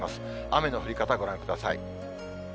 雨の降り方、ご覧ください。